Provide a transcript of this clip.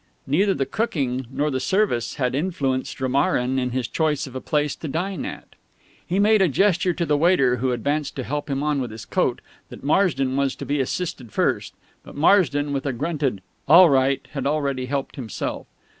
Neither the cooking nor the service had influenced Romarin in his choice of a place to dine at. He made a gesture to the waiter who advanced to help him on with his coat that Marsden was to be assisted first; but Marsden, with a grunted "All right," had already helped himself.